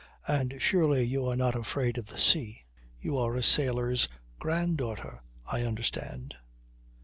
"And surely you are not afraid of the sea. You are a sailor's granddaughter, I understand."